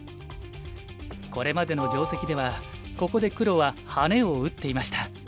これまでの定石ではここで黒はハネを打っていました。